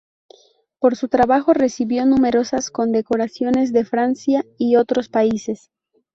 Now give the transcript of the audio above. Por su trabajo recibió numerosas condecoraciones de Francia y otros países.